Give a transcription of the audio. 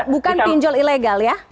bukan pinjol ilegal ya